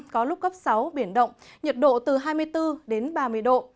có lúc cấp sáu biển động nhiệt độ từ hai mươi bốn đến ba mươi độ